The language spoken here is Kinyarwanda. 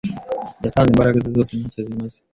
Yasanze imbaraga ze zose ntacyo zimaze.